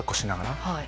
はい。